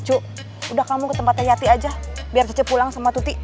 cuk udah kamu ke tempatnya yati aja biar cucu pulang sama tuti